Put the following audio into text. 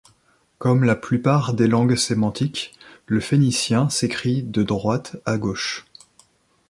Comme la plupart des langues sémitiques, le phénicien s'écrit de droite à gauche.